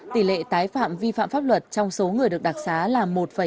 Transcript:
tỷ lệ tái phạm vi phạm pháp luật trong số người được đặc sá là một một mươi sáu